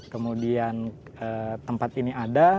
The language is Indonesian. kemudian tempat ini ada